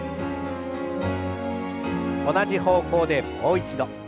同じ方向でもう一度。